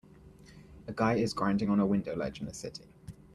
A guy is grinding on a window ledge in a city.